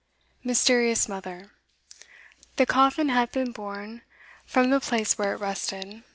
Mysterious Mother. The coffin had been borne from the place where it rested.